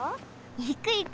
いくいく！